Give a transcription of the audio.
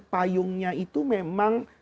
payungnya itu memang